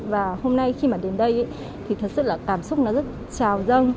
và hôm nay khi mà đến đây thì thật sự là cảm xúc nó rất trào dâng